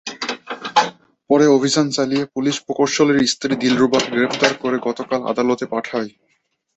পরে অভিযান চালিয়ে পুলিশ প্রকৌশলীর স্ত্রী দিলরুবাকে গ্রেপ্তার করে গতকাল আদালতে পাঠায়।